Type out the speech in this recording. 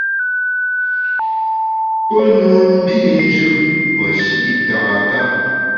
Pe nue mbit njù meshi’ tata.